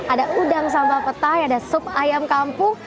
ada udang sambal petai ada sup ayam kampung